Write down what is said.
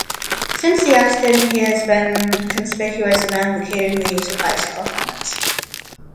Since the accident he has been conspicuous in advocating the use of bicycle helmets.